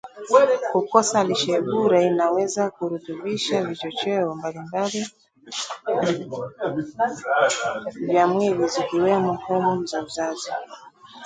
kukosa lishe bora inayoweza kurutubisha vichocheo mbalimbali vya mwili zikiwemo homoni za uzazi